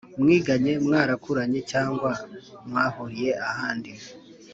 mwiganye mwakuranye cg mwahuriye ahandi